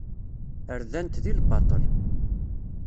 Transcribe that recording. Rdan-t di lbaṭel.